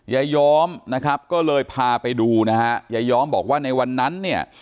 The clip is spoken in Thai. ยายอมนะครับก็เลยพาไปดูนะฮะยายอมบอกว่าในวันนั้นเนี่ย